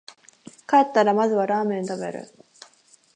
帰ったらまずはラーメン食べる